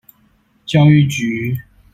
教育局